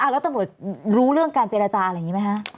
แล้วตำรวจรู้เรื่องการเจรจาอะไรอย่างนี้ไหมคะ